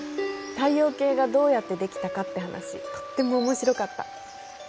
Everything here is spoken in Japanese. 太陽系がどうやってできたかって話とっても面白かった。